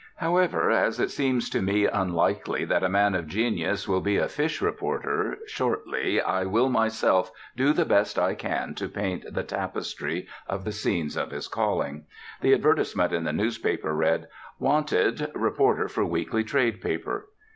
However, as it seems to me unlikely that a man of genius will be a fish reporter shortly I will myself do the best I can to paint the tapestry of the scenes of his calling. The advertisement in the newspaper read: "Wanted Reporter for weekly trade paper."